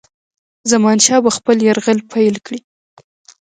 زمانشاه به خپل یرغل پیل کړي.